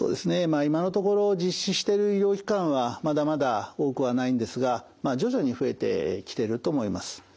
まあ今のところ実施している医療機関はまだまだ多くはないんですがまあ徐々に増えてきてると思います。